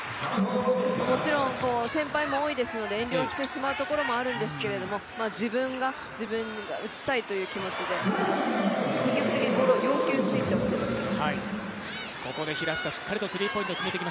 もちろん先輩も多いですので影響してしまうところもあるでしょうけど、自分が打ちたいという気持ちで、積極的にボールを要求していってほしいですね。